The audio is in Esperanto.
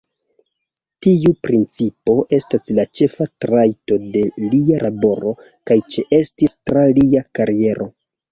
Tiu principo estas la ĉefa trajto de lia laboro kaj ĉeestis tra lia kariero.